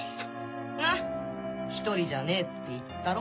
なっ１人じゃねえって言ったろ？